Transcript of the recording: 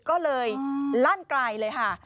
ก็เลยลั่นไกลเลยค่ะ